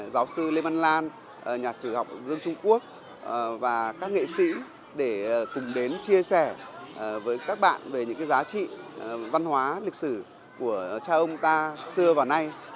giáo sư lê văn lan nhà sử học dương trung quốc và các nghệ sĩ để cùng đến chia sẻ với các bạn về những giá trị văn hóa lịch sử của cha ông ta xưa và nay